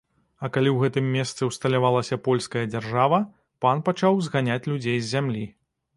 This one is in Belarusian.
А калі ў гэтым месцы ўсталявалася польская дзяржава, пан пачаў зганяць людзей з зямлі.